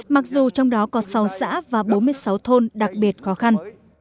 mặc dù trong đó có sáu xã và bốn mươi sáu thôn đặc biệt khó khăn